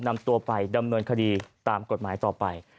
นำตัวไปดำเนินคดีตามกฎหมายต่อไป